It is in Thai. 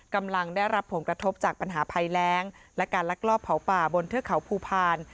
กำลังได้รับผลกระทบจากปัญหาภัยแรงและการลักลอบเผาป่าบนเทือกเขาภูพาล